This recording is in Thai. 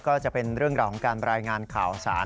ก็จะเป็นเรื่องราวของการรายงานข่าวสาร